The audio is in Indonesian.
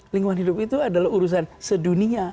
lingkungan hidup itu adalah urusan sedunia